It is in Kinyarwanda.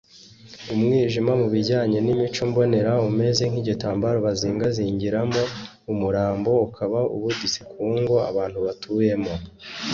umwijima mu bijyanye n’imico mbonera umeze nk’igitambaro bazingazingiramo umurambo ukaba ubuditse ku ngo abantu batuyemo